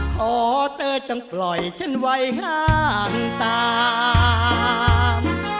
เพราะเธอต้องปล่อยฉันไว้ห้ามตาม